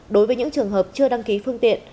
đối với những trường hợp chưa đăng ký phương tiện